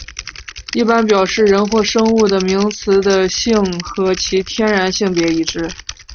一般表示人或生物的名词的性和其天然性别一致。